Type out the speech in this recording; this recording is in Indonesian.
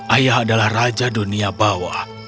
ayah adalah raja dunia bawah